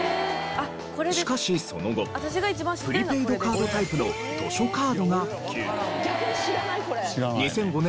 しかしその後プリペイドカードタイプの逆に知らないこれ。